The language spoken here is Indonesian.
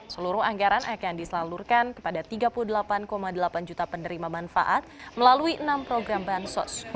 seluruh anggaran akan diselalurkan kepada tiga puluh delapan delapan juta penerima manfaat melalui enam program bansos